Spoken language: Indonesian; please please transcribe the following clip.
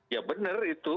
ya bener itu